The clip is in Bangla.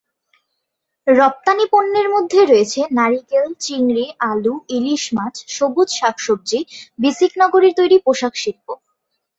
রপ্তানী পণ্যের মধ্যে রয়েছে নারিকেল, চিংড়ি, আলু, ইলিশ মাছ, সবুজ শাক-সবজি, বিসিক নগরীর তৈরি পোশাক শিল্প।